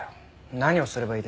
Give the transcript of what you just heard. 何をすればいいですか？